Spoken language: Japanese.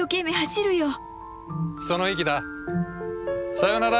さよなら。